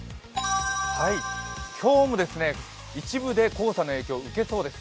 今日も一部で黄砂の影響受けそうです。